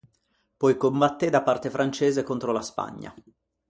Poi combatté da parte francese contro la Spagna.